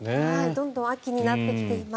どんどん秋になってきています。